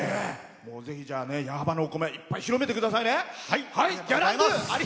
矢巾のお米いっぱい広めてくださいね。